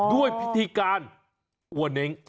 ด้วยพิธีการอวเน้ง